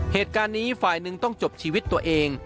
เหตุการณ์นี้ฝ่ายหนึ่งต้องจบชีวิตตัวเอง